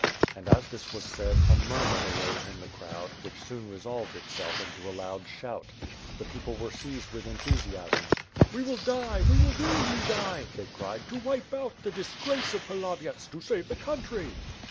And, as this was said, a murmur arose in the crowd, which soon resolved itself into a loud shout. The people were seized with enthusiasm. "We will die, we will willingly die," they cried, "to wipe out the disgrace of Pilav yets; to save the country!"